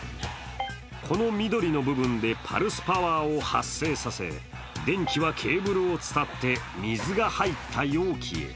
この緑の部分でパルスパワーを発生させ、電気はケーブルを伝って水が入った容器へ。